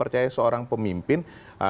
mempercayai seorang pemimpin